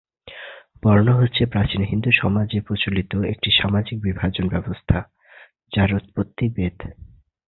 বর্ণ হচ্ছে প্রাচীন হিন্দু সমাজে প্রচলিত একটি সামাজিক বিভাজন ব্যবস্থা, যার উৎপত্তি বেদ।